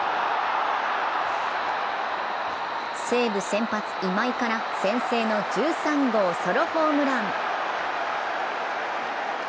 西武先発・今井から先制の１３号ソロホームラン。